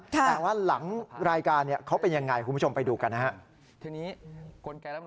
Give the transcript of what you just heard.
แต่ว่าหลังรายการเขาเป็นยังไงคุณผู้ชมไปดูกันนะครับ